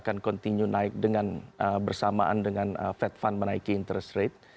akan continue naik dengan bersamaan dengan fed fund menaiki interest rate